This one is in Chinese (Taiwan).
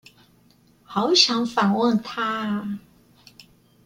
好想訪問他啊！